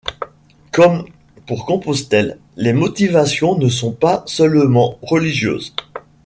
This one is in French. Comme pour Compostelle, les motivations ne sont pas seulement religieuses.